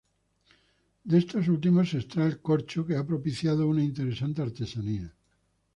De estos últimos se extrae el corcho que ha propiciado una interesante artesanía.